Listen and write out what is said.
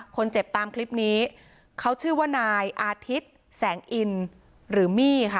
ตามคลิปนี้เขาชื่อว่านายอาทิตย์แสงอินหรือมี่ค่ะ